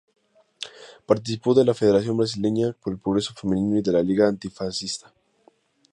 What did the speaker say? Participó de la Federación Brasileña por el Progreso Femenino, y de la Liga Antifascista.